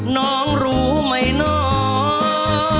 น้องรู้ไหมเนาะ